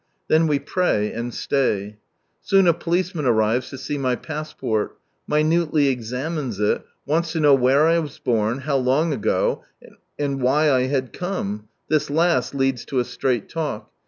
Then we pray, and stay. Soon a policeman arrives to see my passport; minutely examines it, wants to know where I was bom, how long ago, and why I had come ; this last leads to a straight talk.